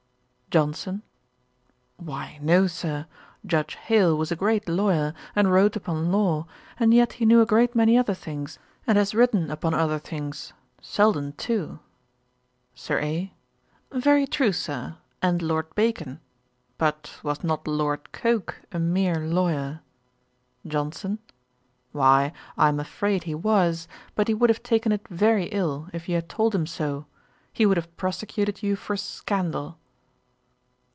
JOHNSON. 'Why no, Sir; Judge Hale was a great lawyer, and wrote upon law; and yet he knew a great many other things, and has written upon other things. Selden too.' SIR A. 'Very true, Sir; and Lord Bacon. But was not Lord Coke a mere lawyer?' JOHNSON. 'Why, I am afraid he was; but he would have taken it very ill if you had told him so. He would have prosecuted you for scandal.'